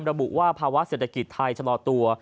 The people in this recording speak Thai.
ระบุว่าภาวะเศรษฐกิจไทยชะลอตัว